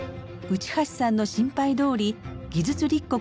内橋さんの心配どおり技術立国